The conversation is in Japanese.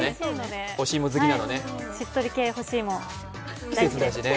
しっとり系干し芋、大好きです。